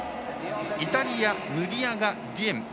イタリア、ヌディアガ・ディエン。